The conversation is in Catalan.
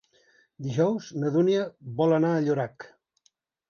Dijous na Dúnia vol anar a Llorac.